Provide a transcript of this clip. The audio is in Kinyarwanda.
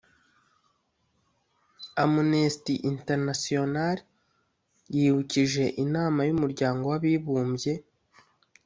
amnesty international yibukije inama y'umuryango w'abibumbye